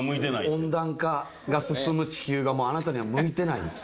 温暖化が進む地球があなたには向いてない。